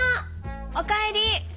おかえり。